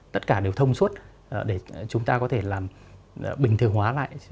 tất cả đều thông suốt để chúng ta có thể làm bình thường hóa lại